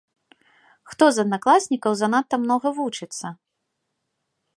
Хто з аднакласнікаў занадта многа вучыцца?